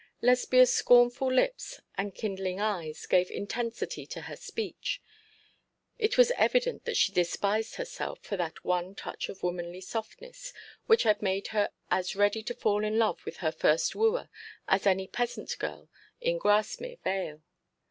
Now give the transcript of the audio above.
Lesbia's scornful lips and kindling eyes gave intensity to her speech. It was evident that she despised herself for that one touch of womanly softness which had made her as ready to fall in love with her first wooer as any peasant girl in Grasmere Vale.